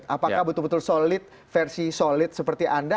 apakah betul betul solid versi solid seperti anda